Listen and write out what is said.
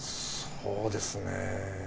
そうですね。